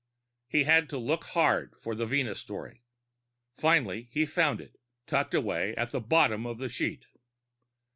He had to look hard for the Venus story. Finally he found it tucked away at the bottom of the sheet.